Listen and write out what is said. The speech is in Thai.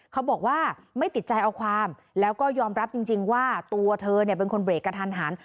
เขาบอกว่าไม่ติดใจเอาความแล้วก็ยอมรับจริงว่าตัวเธอเนี่ยเป็นคนเรกกระทันหัน